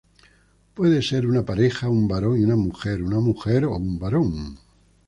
Puede ser una pareja, un varón y una mujer, una mujer o un varón.